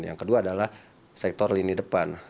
yang kedua adalah sektor lini depan